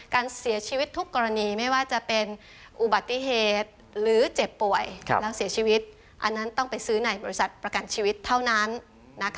การเสียชีวิตทุกกรณีไม่ว่าจะเป็นอุบัติเหตุหรือเจ็บป่วยแล้วเสียชีวิตอันนั้นต้องไปซื้อในบริษัทประกันชีวิตเท่านั้นนะคะ